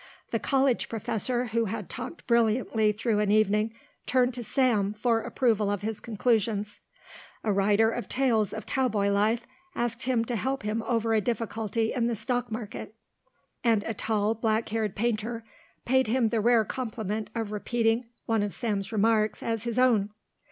The college professor who had talked brilliantly through an evening turned to Sam for approval of his conclusions, a writer of tales of cowboy life asked him to help him over a difficulty in the stock market, and a tall black haired painter paid him the rare compliment of repeating one of Sam's remarks as his own.